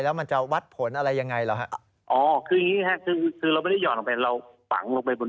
แล้วมันจะวัดผลอะไรยังไงหรอครับ